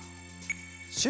しゅ